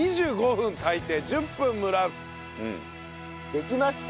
できました。